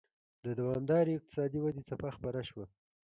د دوامدارې اقتصادي ودې څپه خپره شوه.